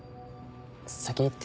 先行ってて。